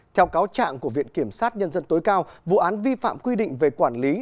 theo cáo trạng của viện kiểm sát nhân dân tối cao vụ án vi phạm quy định về quản lý